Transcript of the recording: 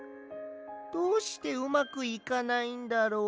どうしてうまくいかないんだろう。